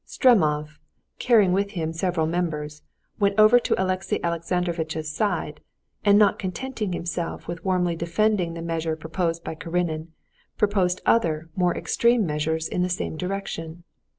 Stremov, carrying with him several members, went over to Alexey Alexandrovitch's side, and not contenting himself with warmly defending the measure proposed by Karenin, proposed other more extreme measures in the same direction.